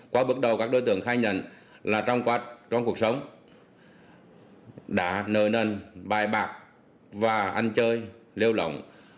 qua bước đầu các đối tượng khai nhận là trong cuộc sống đã nợ nần bài bạc và ăn chơi lêu lỏng